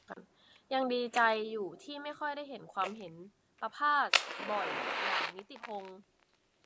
ยังดีใจอยู่ที่ไม่ค่อยได้เห็นความเห็นประภาสบ่อยอย่างนิติพงษ์